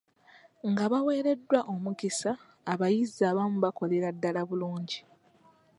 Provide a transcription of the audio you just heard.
Nga baweereddwa omukisa abayizi abamu bakolera ddaala bulungi.